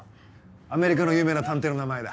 アメリカの有名な探偵の名前だ。